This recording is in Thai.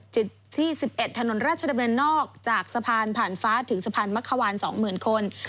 ที่๑๑ถนนราชดำเนินนอกจากสะพานผ่านฟ้าถึงสะพานมะขวาน๒๐๐๐คน